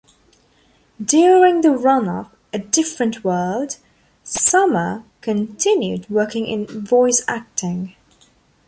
During the run of "A Different World", Summer continued working in voice acting.